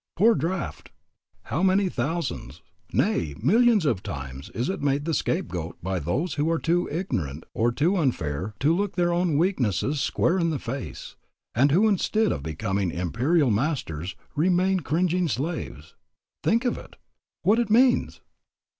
Poor draft! How many thousands, nay millions of times it is made the scapegoat by those who are too ignorant or too unfair to look their own weaknesses square in the face, and who instead of becoming imperial masters, remain cringing slaves. Think of it, what it means!